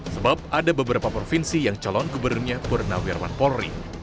sebab ada beberapa provinsi yang calon gubernurnya bernawirawan polri